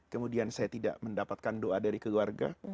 kemudian saya tidak mendapatkan doa dari keluarga